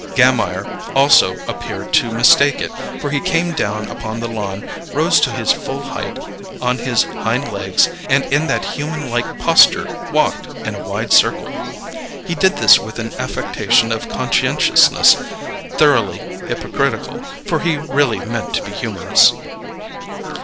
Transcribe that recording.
Gammire also appeared to mistake it, for he came down upon the lawn, rose to his full height, on his "hind legs," and in that humanlike posture "walked" in a wide circle. He did this with an affectation of conscientiousness thoroughly hypocritical; for he really meant to be humorous.